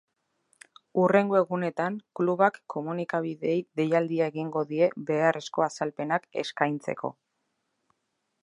Hurrengo egunetan klubak komunikabideei deialdia egingo die beharrezko azalpenak eskaintzeko.